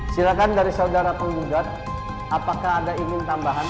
silakan dari saudara penggugat apakah ada ingin tambahan